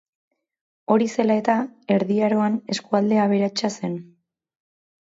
Hori zela eta, Erdi Aroan eskualde aberatsa zen.